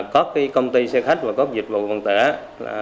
có cái công ty xe khách và có cái dịch vụ vận tửa